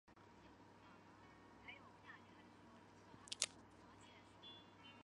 中途岛目前仍是军事要地。